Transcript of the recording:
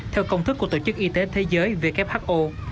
theo công thức của tổ chức y tế thế giới who